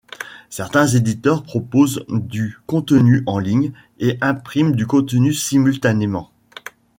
Certains éditeurs proposent du contenu en ligne et impriment du contenu simultanément.